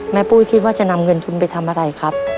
ปุ้ยคิดว่าจะนำเงินทุนไปทำอะไรครับ